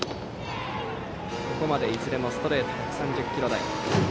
ここまでいずれもストレート１３０キロ台。